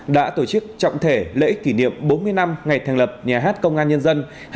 đã tổ chức trọng thể lễ kỷ niệm bốn mươi năm ngày thành lập nhà hát công an nhân dân